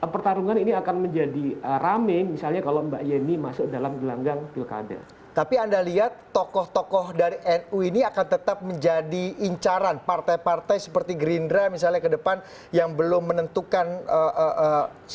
partai gerindram misalnya ke depan yang belum menentukan hai